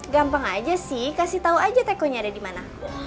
gampang aja sih kasih tau aja tekonya ada dimana